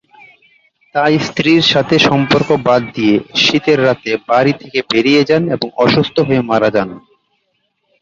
তাই স্ত্রীর সাথে সম্পর্ক বাদ দিয়ে শীতের রাতে বাড়ি থেকে বেরিয়ে যান এবং অসুস্থ হয়ে মারা যান।